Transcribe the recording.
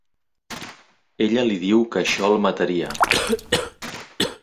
Ella li diu que això el mataria.